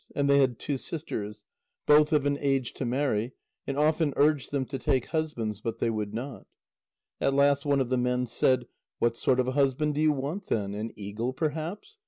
And they had two sisters, both of an age to marry, and often urged them to take husbands, but they would not. At last one of the men said: "What sort of a husband do you want, then? An eagle, perhaps?